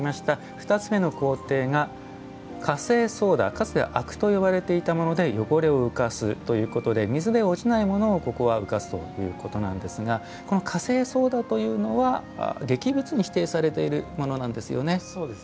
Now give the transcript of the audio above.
２つ目の工程がカセイソーダでかつては灰汁と呼ばれていたもので汚れを浮かすということで水で落ちないものをここは浮かすということなんですがこのカセイソーダというのは劇物に指定されているものそうですね。